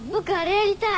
やりたい！